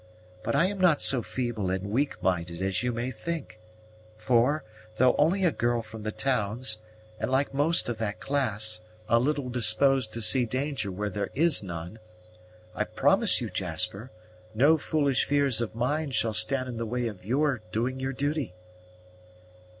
But I am not so feeble and weak minded as you may think; for, though only a girl from the towns, and, like most of that class, a little disposed to see danger where there is none, I promise you, Jasper, no foolish fears of mine shall stand in the way of your doing your duty."